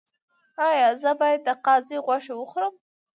ایا زه باید د قاز غوښه وخورم؟